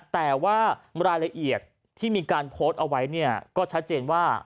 แต่ว่ารายละเอียดที่มีการโพสต์เอาไว้เนี่ยก็ชัดเจนว่า